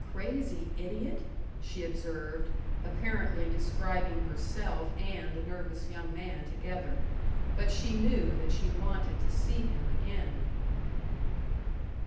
"Crazy idiot," she observed, apparently describing herself and the nervous young man together. But she knew that she wanted to see him again.